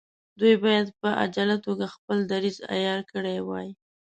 دوی باید په عاجله توګه خپل دریځ عیار کړی وای.